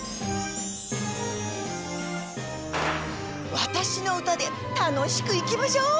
わたしのうたでたのしくいきましょう！